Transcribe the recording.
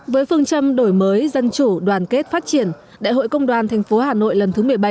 với phương châm đổi mới dân chủ đoàn kết phát triển đại hội công đoàn thành phố hà nội lần thứ một mươi bảy